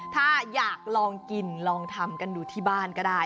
ถ้าอยากลองกินลองทำกันดูที่บ้านก็ได้